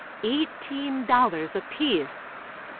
Eighteen dollars apiece.